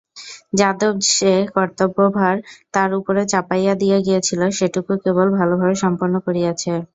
যাদব যে কর্তব্যভার তার উপরে চাপাইয়া দিয়া গিয়াছিলেন সেটুকু কেবল ভালোভাবে সম্পন্ন করিয়াছে।